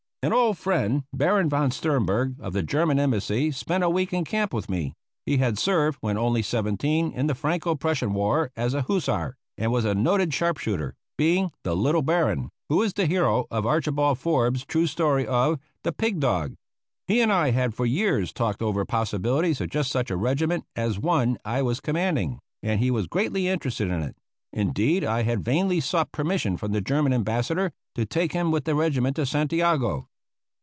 An old friend, Baron von Sternberg, of the German Embassy, spent a week in camp with me. He had served, when only seventeen, in the Franco Prussian War as a hussar, and was a noted sharp shooter being "the little baron" who is the hero of Archibald Forbes's true story of "The Pig dog." He and I had for years talked over the possibilities of just such a regiment as the one I was commanding, and he was greatly interested in it. Indeed I had vainly sought permission from the German ambassador to take him with the regiment to Santiago.